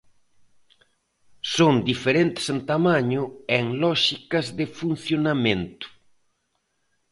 Son diferentes en tamaño e en lóxicas de funcionamento.